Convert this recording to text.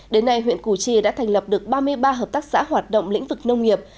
đến nay huyện củ chi đã thành lập được ba mươi ba hợp tác xã hoạt động lĩnh vực nông nghiệp